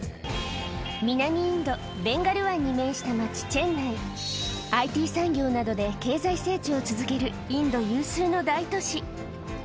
南インドベンガル湾に面した町ＩＴ産業などで経済成長を続けるインド有数の大都市